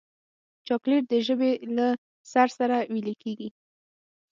چاکلېټ د ژبې له سر سره ویلې کېږي.